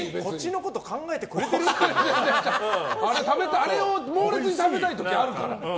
あれを猛烈に食べたい時あるから。